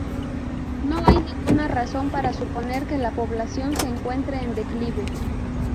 No hay ninguna razón para suponer que la población se encuentre en declive.